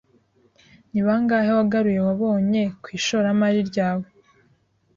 Ni bangahe wagaruye wabonye ku ishoramari ryawe?